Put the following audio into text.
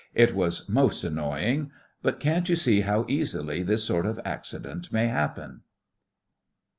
It was most annoying, but can't you see how easily this sort of accident may happen?